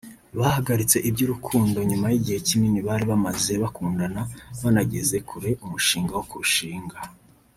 Bahagaritse iby’urukundo nyuma y’igihe kinini bari bamaze bakundana banageze kure umushinga wo kurushinga